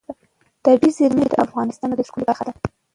طبیعي زیرمې د افغانستان د طبیعت د ښکلا برخه ده.